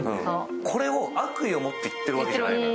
これを悪意を持って言ってるわけじゃない。